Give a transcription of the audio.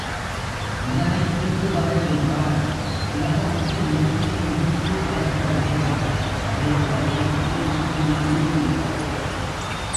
அதனைத் தீட்டுவதை விட்டாள் திலகம் இட்டு நெற்றியை முன்பு அழகுபடுத்துவாள் அது அவள் நெற்றியை விட்டு நீங்கிவிட்டது.